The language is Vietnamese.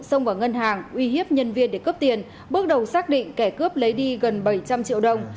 xông vào ngân hàng uy hiếp nhân viên để cướp tiền bước đầu xác định kẻ cướp lấy đi gần bảy trăm linh triệu đồng